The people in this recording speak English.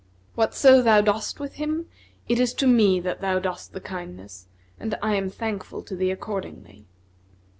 Whatso thou dost with him, it is to me that thou dost the kindness, and I am thankful to thee accordingly."